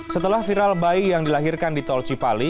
setelah viral bayi yang dilahirkan di tol cipali